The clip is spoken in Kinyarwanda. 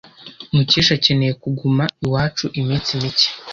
Mukesha akeneye kuguma iwacu iminsi mike.